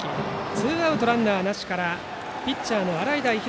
ツーアウトランナーなしからピッチャーの洗平